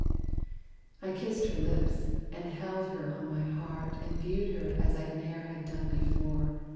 I kissed her lips, and held her on my heart, And viewed her as I ne'er had done before.